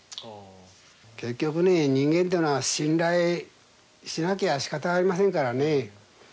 結局ね、人間っていうのは、信頼しなきゃしかたありませんからね。